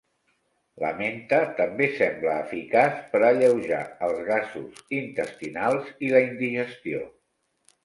La menta també sembla eficaç per alleujar els gasos intestinals i la indigestió.